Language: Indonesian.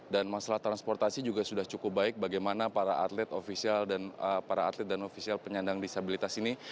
dan masalah transportasi juga sudah cukup baik bagaimana para atlet dan ofisial penyandang disabilitas ini